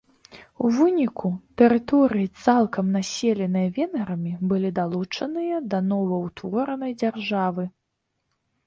У выніку, тэрыторыі цалкам населеныя венграмі былі далучаныя да новаўтворанай дзяржавы.